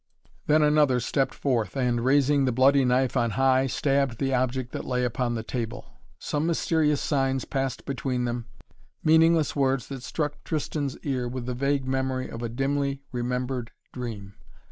Then another stepped forth and, raising the bloody knife on high, stabbed the object that lay upon the table. Some mysterious signs passed between them, meaningless words that struck Tristan's ear with the vague memory of a dimly remembered dream.